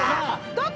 どこ？